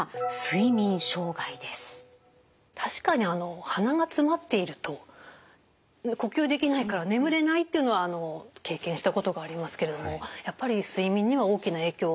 それが確かに鼻がつまっていると呼吸できないから眠れないっていうのは経験したことがありますけれどもやっぱり睡眠には大きな影響を与えるんですね。